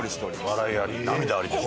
笑いあり涙ありです。